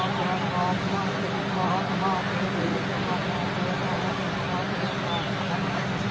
สวัสดีครับทุกคน